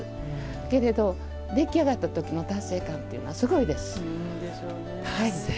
けれど出来上がったときの達成感はすごいです。